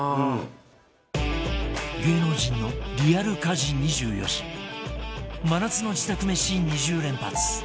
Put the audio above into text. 芸能人のリアル家事２４時真夏の自宅めし２０連発！